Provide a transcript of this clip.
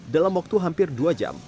dalam waktu hampir dua jam